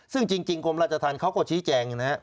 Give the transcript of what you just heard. ซึ่งจริงกรมราชธรรมเขาก็ชี้แจงนะครับ